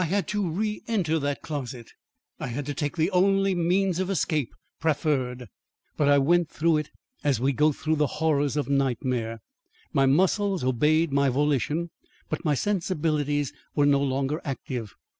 I had to re enter that closet; I had to take the only means of escape proffered. But I went through it as we go through the horrors of nightmare. My muscles obeyed my volition, but my sensibilities were no longer active.